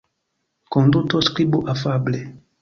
Konduto Skribu afable.